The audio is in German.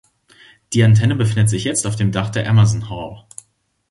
Die Antenne befindet sich jetzt auf dem Dach der Emerson Hall.